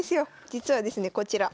実はですねこちら。